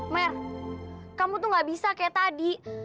mer kamu tuh gak bisa kayak tadi